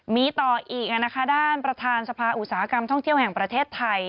มีต่ออีกด้านประธานสภาอุตสาหกรรมท่องเที่ยวแห่งประเทศไทย